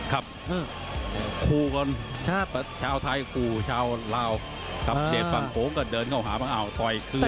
ครับครูก่อนชาวไทยครูชาวลาวครับเด็ดฝั่งโภงก็เดินเข้าหาวังอ่าวต่อยคืน